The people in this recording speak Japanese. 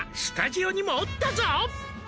「スタジオにもおったぞ」